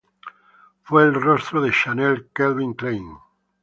Fue el rostro de Chanel, Calvin Klein.